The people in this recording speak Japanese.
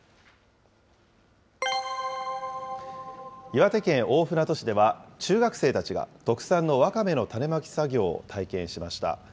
岩手県大船渡市では、中学生たちが特産のワカメの種まき作業を体験しました。